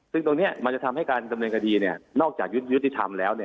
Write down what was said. ซึ่งตรงนี้มันจะทำให้การดำเนินคดีนอกจากยุติธรรมแล้ว